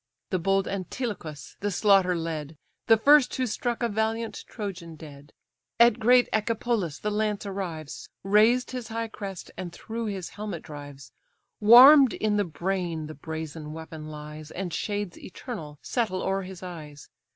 The bold Antilochus the slaughter led, The first who struck a valiant Trojan dead: At great Echepolus the lance arrives, Razed his high crest, and through his helmet drives; Warm'd in the brain the brazen weapon lies, And shades eternal settle o'er his eyes.